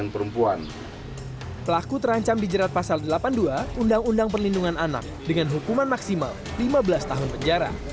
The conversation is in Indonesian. pelaku terancam dijerat pasal delapan puluh dua undang undang perlindungan anak dengan hukuman maksimal lima belas tahun penjara